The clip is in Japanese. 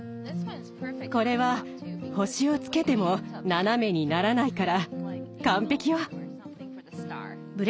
これは星をつけても斜めにならないから完璧よ。